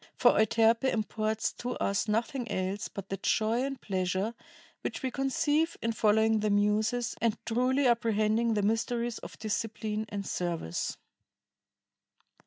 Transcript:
For Euterpe imports to us nothing else but the joy and pleasure which we conceive in following the Muses and truly apprehending the mysteries of discipline and service."